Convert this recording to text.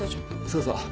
そうそう。